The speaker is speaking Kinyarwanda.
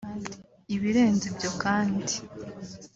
Ibirenze ibyo kandi